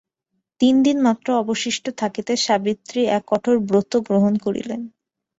তিন দিন মাত্র অবশিষ্ট থাকিতে সাবিত্রী এক কঠোর ব্রত গ্রহণ করিলেন।